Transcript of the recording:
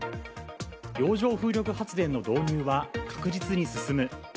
洋上風力発電の導入は確実に進む。